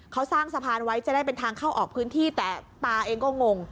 เขาสร้างสะพานไว้จะได้เป็นทางเข้าออกพื้นที่แต่ตาเองก็งง